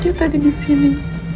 dia tadi disini